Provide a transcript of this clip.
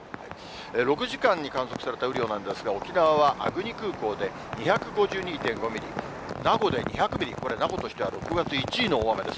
６時間に観測された雨量なんですが、沖縄は粟国空港で２５２．５ミリ、名護で２００ミリ、これ、名護としては６月１位の大雨です。